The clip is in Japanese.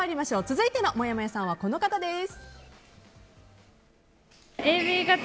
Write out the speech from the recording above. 続いてもやもやさんはこの方です。